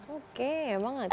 oke emang aja